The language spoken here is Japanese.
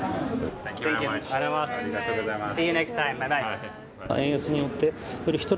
ありがとうございます。